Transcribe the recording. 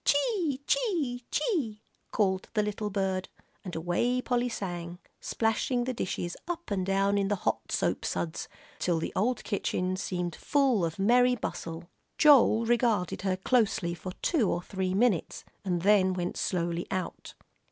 "Chee chee chee," called the little bird, and away Polly sang, splashing the dishes up and down in the hot soap suds, till the old kitchen seemed full of merry bustle. Joel regarded her closely for two or three minutes, and then went slowly out.